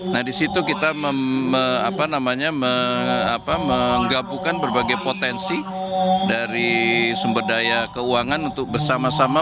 nah di situ kita menggabungkan berbagai potensi dari sumber daya keuangan untuk bersama sama